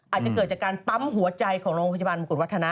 อาจจะเกิดจากการปั๊มหัวใจของโรงพยาบาลมงกุฎวัฒนะ